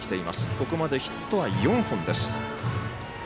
ここまでヒットは４本です。